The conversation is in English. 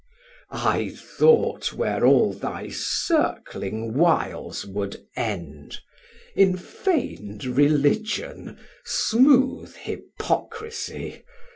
870 Sam: I thought where all thy circling wiles would end; In feign'd Religion, smooth hypocrisie.